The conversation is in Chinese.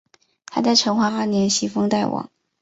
他在成化二年袭封代王。